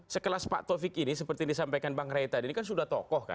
sekelas pak tovik ini seperti yang disampaikan bang reita ini kan sudah tokoh kan